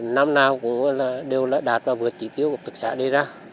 năm nào cũng đều đã đạt và vượt chỉ tiêu của hợp tác xã đây ra